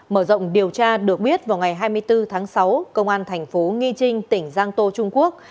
mở rộng điều tra được biết vào ngày hai mươi bốn tháng sáu công an thành phố nghi trinh tỉnh giang tô trung quốc